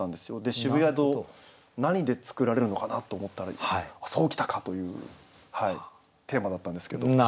渋谷と何で作られるのかなと思ったら「そう来たか！」というテーマだったんですけど。